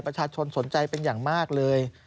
ประชาชนสนใจเป็นอย่างมากเลย